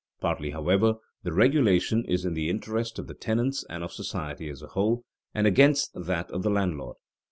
Partly, however, the regulation is in the interest of the tenants and of society as a whole, and against that of the landlord.